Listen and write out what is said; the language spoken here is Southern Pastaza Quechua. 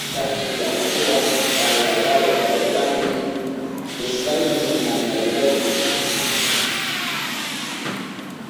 Kachi yakuwa kalalala rurani kunkayni nanayrayku.